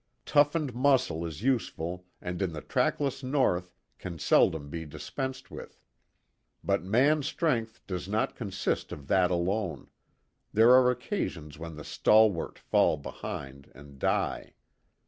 Toughened muscle is useful and in the trackless North can seldom be dispensed with; but man's strength does not consist of that alone; there are occasions when the stalwart fall behind and die.